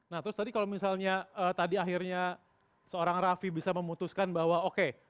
nah terus tadi kalau misalnya tadi akhirnya seorang rafi bisa memutuskan bahwa oke